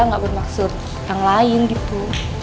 nggak bermaksud yang lain gitu